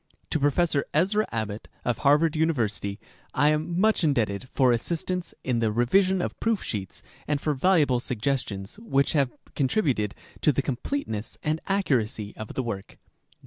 To Professor Ezra Abbot, of Harvard University, I am much indebted for assistance in the revision of proof sheets and for valuable suggestions which have contributed to the completeness and accuracy of the work.